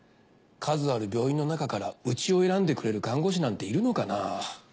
数ある病院のなかからうちを選んでくれる看護師なんているのかな？